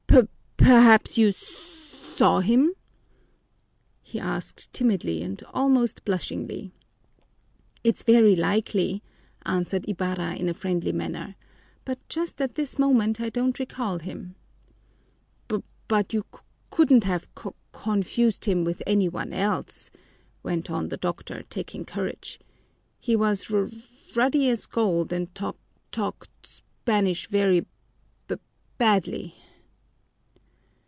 P perhaps you s saw him?" he asked timidly and almost blushingly. "It's very likely," answered Ibarra in a friendly manner, "but just at this moment I don't recall him." "B but you c couldn't have c confused him with any one else," went on the Doctor, taking courage. "He was r ruddy as gold and t talked Spanish very b badly."